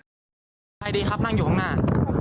ปลอดภัยดีครับนั่งอยู่ข้างหน้า